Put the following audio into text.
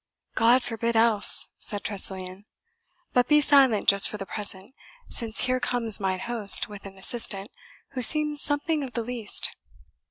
"God forbid else!" said Tressilian. "But be silent just for the present, since here comes mine host with an assistant, who seems something of the least."